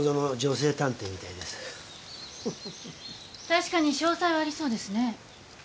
確かに商才はありそうですね。